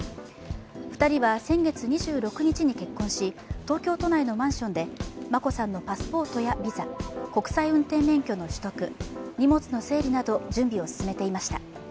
２人は先月２６日に結婚し東京都内のマンションで眞子さんのパスポートやビザ、国際運転免許の取得、荷物の整理など準備を進めていました。